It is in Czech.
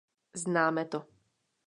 Známe to.